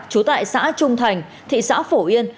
trú tại xã trung thành thị xã phổ yên